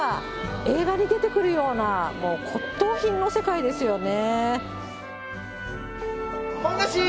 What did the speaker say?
映画に出てくるような、もう骨董品の世界ですよね。